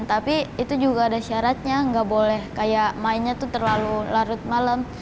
tapi itu juga ada syaratnya nggak boleh kayak mainnya tuh terlalu larut malam